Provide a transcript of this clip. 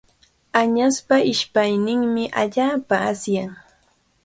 Añaspa ishpayninmi allaapa asyan.